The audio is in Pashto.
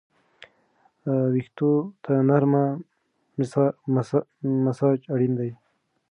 ویښتو ته نرمه مساج اړین دی.